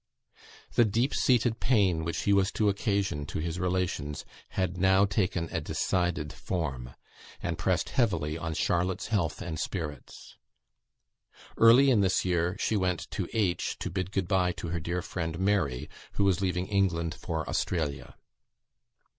The deep seated pain which he was to occasion to his relations had now taken a decided form, and pressed heavily on Charlotte's health and spirits. Early in this year, she went to H. to bid good bye to her dear friend "Mary," who was leaving England for Australia.